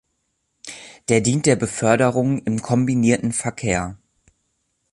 Der dient der Beförderung im kombinierten Verkehr.